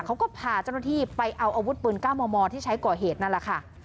เขาก็พาเจ้าหน้าที่ไปเอาอาวุธปืน๙มมที่ใช้ก่อเหตุนั่นแหละค่ะ